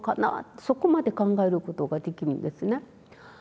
そこまで考えることができるんですね。